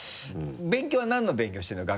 勉強は何の勉強してるの？